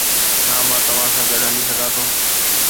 ڇا مان توهان سان گڏ هلي سگهان ٿو